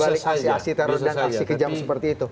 asli asli teror dan asli kejam seperti itu